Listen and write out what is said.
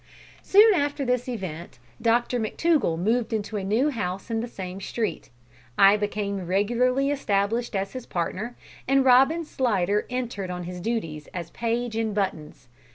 Soon after this event Dr McTougall moved into a new house in the same street; I became regularly established as his partner, and Robin Slidder entered on his duties as page in buttons.